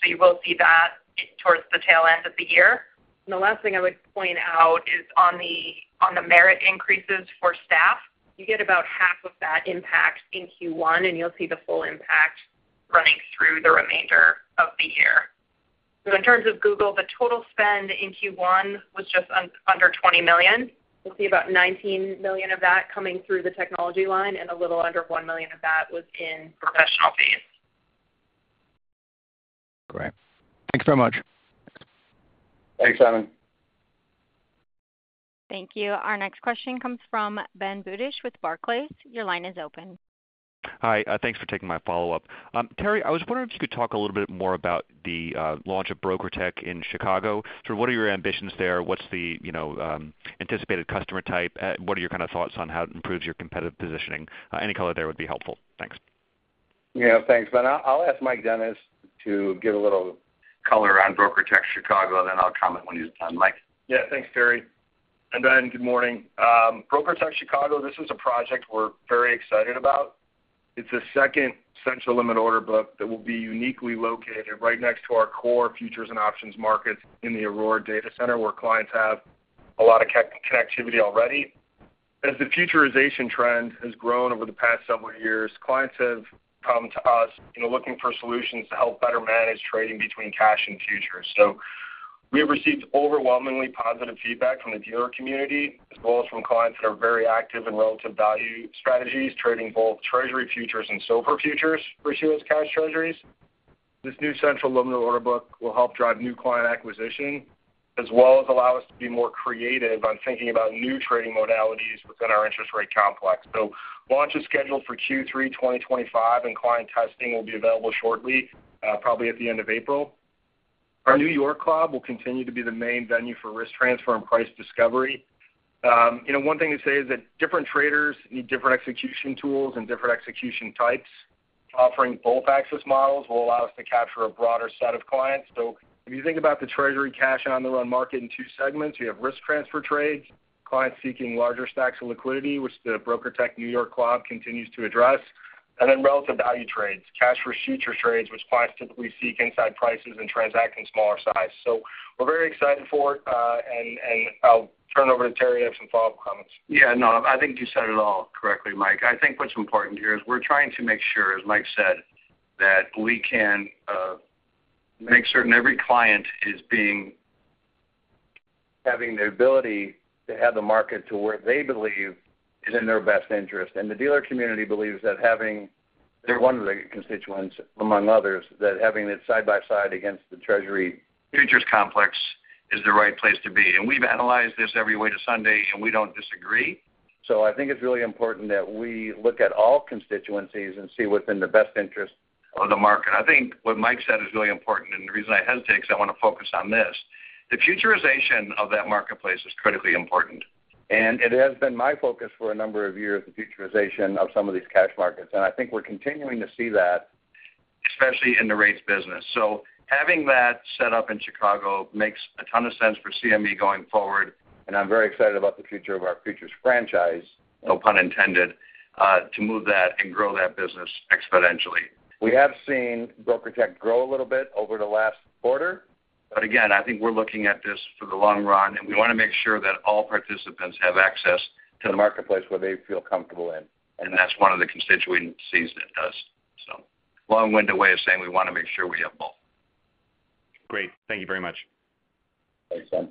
You will see that towards the tail end of the year. The last thing I would point out is on the merit increases for staff. You get about half of that impact in Q1 and you'll see the full impact running through the remainder of the year. In terms of Google, the total spend in Q1 was just under $20 million. You'll see about $19 million of that coming through the technology line and a little under $1 million of that was in professional. Fees. Great, thanks very much. Thanks. Simon. Thank you. Our next question comes from Ben Budish with Barclays. Your line is. Open. Hi. Thanks for taking my follow up. Terry, I was wondering if you could talk a little bit more about the launch of BrokerTec in Chicago. What are your ambitions there? What's the anticipated customer type? What are your thoughts on how it improves your competitive positioning? Any color there would be helpful, thanks. Thanks, Ben. I'll ask Mike Dennis to give a little color on BrokerTec Chicago and then I'll comment when he's done. Mike? Yeah. Thanks Terry. Ben, good morning, BrokerTec Chicago. This is a project we're very excited about. It's the second central limit order book that will be uniquely located right next to our core futures and options markets in the Aurora data center, where clients have a lot of connectivity already. As the futurization trend has grown over the past several years, clients have come to us looking for solutions to help better manage trading between cash and futures. We have received overwhelmingly positive feedback from the dealer community as well as from clients that are very active in relative value strategies, trading both Treasury futures and SOFR futures for U.S. Cash Treasuries. This new central limit order book will help drive new client acquisition as well as allow us to be more creative on thinking about new trading modalities within our interest rate complex. Launch is scheduled for Q3 2025 and client testing will be available shortly, probably at the end of April. Our New York SOFR futures will continue to be the main venue for risk transfer and price discovery. One thing to say is that different traders need different execution tools and different execution types. Offering both access models will allow us to capture a broader set of clients. If you think about the Treasury cash and on-the-run market in two segments, you have risk transfer trades, clients seeking larger stacks of liquidity which the BrokerTec New York CLOB continues to address, and then relative value trades, cash for future trades, which clients typically seek inside prices and transact in smaller size. We are very excited for it and I'll turn it over to Terry to have some follow up comments. Yeah, no, I think you said it all correctly, Mike. I think what's important here is we're trying to make sure, as Mike said, that we can make certain every client is having the ability to have the market to where they believe is in their best interest. The dealer community believes that having their one of the constituents among others, that having it side by side against the Treasury futures complex is the right place to be. We have analyzed this every way to Sunday and we do not disagree. I think it is really important that we look at all constituencies and see what is in the best interest. I think what Mike said is really important and the reason I hesitate is because I want to focus on this. The futurization of that marketplace is critically important and it has been my focus for a number of years, the futurization of some of these cash markets and I think we are continuing to see that, especially in the rates business. Having that set up in Chicago makes a ton of sense for CME going forward. I'm very excited about the future of our futures franchise, no pun intended, to move that and grow that business exponentially. We have seen BrokerTec grow a little bit over the last quarter, but again I think we're looking at this for the long run and we want to make sure that all participants have access to the marketplace where they feel comfortable in. That's one of the constituencies that does. Long winded way of saying we want to make sure we have both. Great, thank you very much. Thanks. Ben.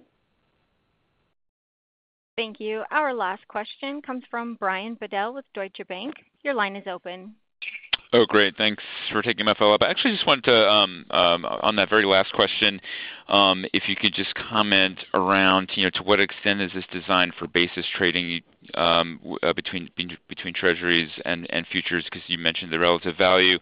Thank you. Our last question comes from Brian Bedell with Deutsche Bank. Your line is. Open. Oh. Great. Thanks for taking my follow up. I actually just wanted to on that very last question. If you could just comment around to what extent is this designed for basis trading between Treasuries and futures? Because you mentioned the relative value.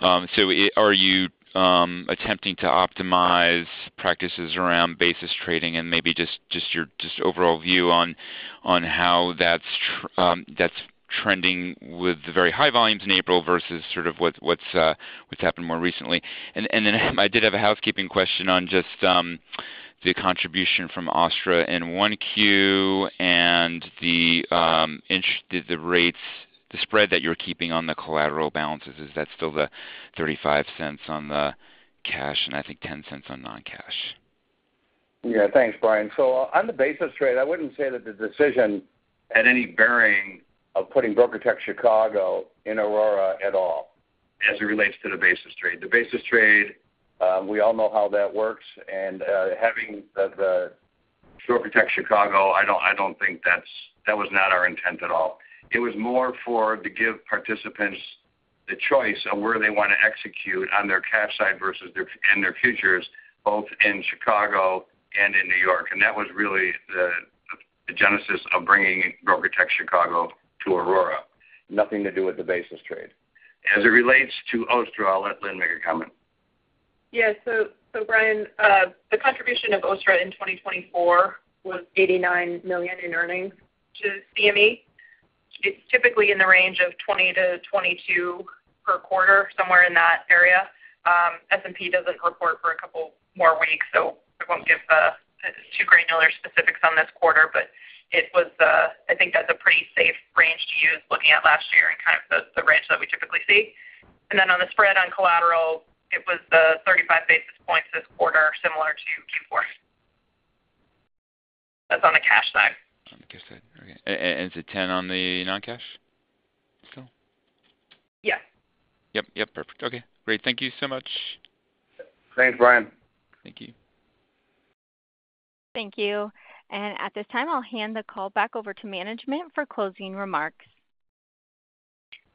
Are you attempting to optimize practices around basis trading and maybe just your overall view on and how that's trending with the very high volumes in April versus sort of what's happened more recently? I did have a housekeeping question on just the contribution from OSTTRA in Q1 and the rates, the spread that you're keeping on the collateral balances, is that still the $0.35 on the cash and I think $0.10 on non. Cash? Yes. Thanks, Brian. On the basis trade, I wouldn't say that the decision had any bearing of putting BrokerTec Chicago in Aurora at all as it relates to the basis trade. The basis trade, we all know how that works. Having BrokerTec Chicago, I don't think that's. That was not our intent at all. It was more to give participants the choice of where they want to execute on their cash side versus their and their futures both in Chicago and in New York. That was really the genesis of bringing BrokerTec Chicago to Aurora. Nothing to do with the basis trade as it relates to OSTTRA. I'll let Lynne make a. Comment. Yes. Brian, the contribution of OSTTRA in 2024 was $89 million in earnings to CME. It's typically in the range of $20 million-$22 million per quarter, somewhere in that area. S&P doesn't report for a couple more weeks. I won't give too granular specifics on this quarter. I think that's a pretty safe range to use looking at last year and kind of the range that we typically see. On the spread on collateral, it was the 35 basis points this quarter, similar to Q4. That's on the cash. Side. Is it 10 on the non. Cash? Yes. Yep. Yep. Perfect. Okay. Great. Thank you. Thanks, Brian. Thank you. Thank you. At this time I'll hand the call back over to management for closing. Remarks.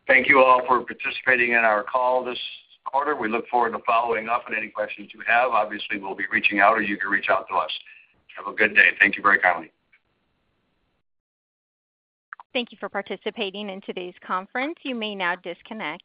Thank you all for participating in our call this quarter. We look forward to following up on any questions you have. Obviously we'll be reaching out or you can reach out to us. Have a good day. Thank you. [for coming]. Thank you for participating in today's conference. You may now disconnect.